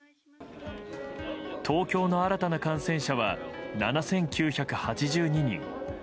東京の新たな感染者は７９８２人。